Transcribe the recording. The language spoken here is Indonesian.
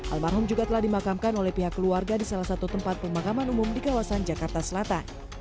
almarhum juga telah dimakamkan oleh pihak keluarga di salah satu tempat pemakaman umum di kawasan jakarta selatan